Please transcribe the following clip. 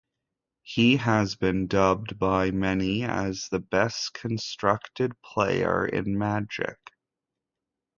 He has been dubbed by many as the best Constructed player in Magic.